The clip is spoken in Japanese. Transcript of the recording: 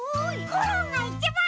コロンがいちばん！